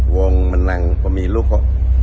wong menang pemilu kok